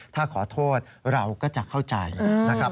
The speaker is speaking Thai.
ถ้าขอโทษเราก็จะเข้าใจนะครับ